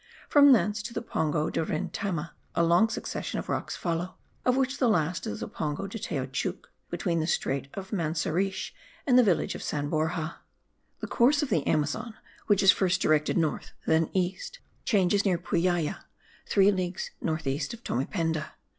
From thence to the Pongo de Rentema, a long succession of rocks follow, of which the last is the Pongo de Tayouchouc, between the strait of Manseriche and the village of San Borja. The course of the Amazon, which is first directed north, then east, changes near Puyaya, three leagues north east of Tomependa.